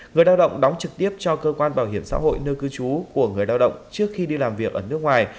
người lao động đóng trực tiếp cho cơ quan bảo hiểm xã hội nơi cư trú của người lao động trước khi đi làm việc ở nước ngoài